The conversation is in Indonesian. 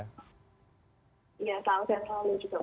ya salam sehat selalu juga mbak salam sehat selalu